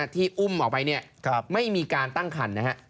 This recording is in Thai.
ที่อุ้มออกไปไม่มีการตั้งคันนะฮะ